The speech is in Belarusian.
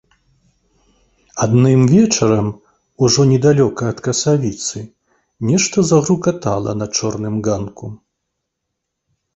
Адным вечарам, ужо недалёка ад касавіцы, нешта загрукатала на чорным ганку.